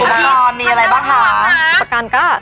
อุปกรณ์มีอะไรบ้างค่ะ